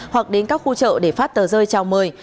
hoặc đến các khu chợ để phát tờ rơi chào mời